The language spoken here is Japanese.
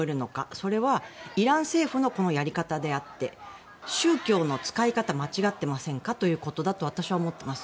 それはイラン政府のこのやり方であって宗教の使い方間違ってませんかということだと私は思っています。